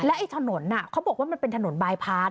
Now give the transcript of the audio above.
ไอ้ถนนเขาบอกว่ามันเป็นถนนบายพาร์ท